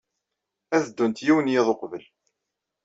Ad ddunt yiwen n yiḍ uqbel.